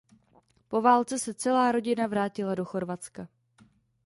Po válce se celá rodina vrátila do Chorvatska.